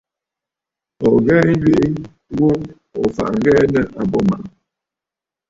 Ò ghɛ nyweʼe ghu, ò faʼà ŋ̀ghɛɛ nɨ̂ àbô màʼà.